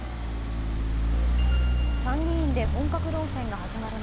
参議院で本格論戦が始まる中